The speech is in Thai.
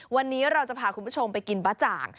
วันนี้เราจะพาคุณผู้ชมไปกินบ๊ะจ่าง